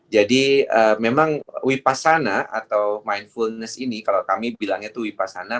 jadi memang wipassana atau mindfulness ini kalau kami bilang itu wipassana